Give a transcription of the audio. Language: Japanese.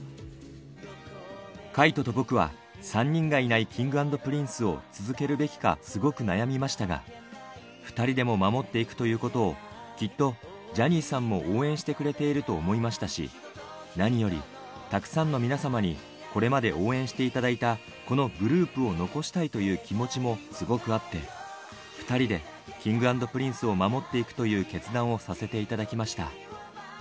海人と僕は３人がいないＫｉｎｇ＆Ｐｒｉｎｃｅを続けるべきか、すごく悩みましたが、２人でも守っていくということを、きっとジャニーさんも応援してくれていると思いましたし、何よりたくさんの皆様にこれまで応援していただいたこのグループを残したいという気持ちもすごくあって、２人でＫｉｎｇ＆Ｐｒｉｎｃｅを守っていくという決断をさせていただきました。